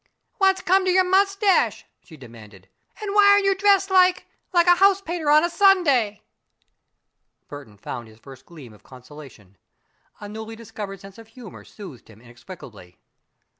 "What's come to your moustache?" she demanded. "And why are you dressed like like a house painter on a Sunday?" Burton found his first gleam of consolation. A newly discovered sense of humor soothed him inexplicably.